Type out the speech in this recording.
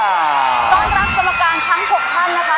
ต้อนรับกรรมการทั้ง๖ท่านนะคะ